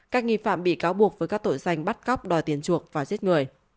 các nghi phạm bị cáo buộc với các tội danh bắt cóc đòi tiền chuộc và giết người